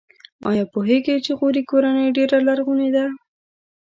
ایا پوهیږئ چې غوري کورنۍ ډېره لرغونې ده؟